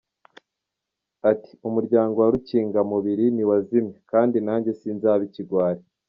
Ati “ Umuryango wa Rukingamubiri ntiwazimye , kandi nanjye sinzaba ikigwari.